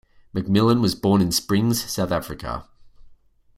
McMillan was born in Springs, South Africa.